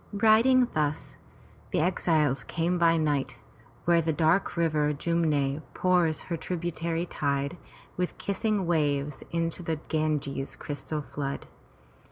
Riding thus, the exiles came by night where the dark river Jum'ne pours her tributary tide with kissing waves into the Ganges' crystal flood.